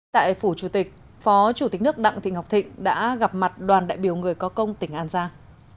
tại phủ chủ tịch phó chủ tịch nước đặng thị ngọc thịnh đã gặp mặt đoàn đại biểu người có công tỉnh an giang